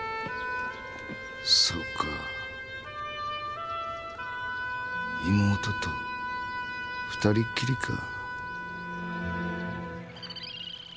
そうか妹と二人っきりか。